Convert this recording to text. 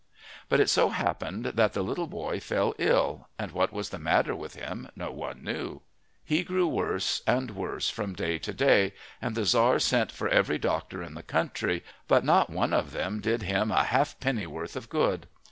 But it so happened that the little boy fell ill, and what was the matter with him no one knew. He grew worse and worse from day to day, and the Tzar sent for every doctor in the country, but not one of them did him a half pennyworth of good.